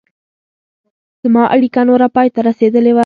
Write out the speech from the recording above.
زما اړیکه نوره پای ته رسېدلې وه.